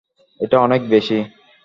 এটা অনেক বেশি।